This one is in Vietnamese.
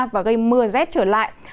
và gây mưa rét trở lại